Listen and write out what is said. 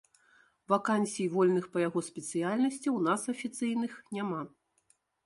Вакансій вольных па яго спецыяльнасці ў нас афіцыйных няма.